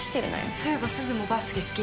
そういえばすずもバスケ好きだよね？